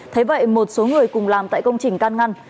thế vậy một số người cùng làm tại công trình can ngăn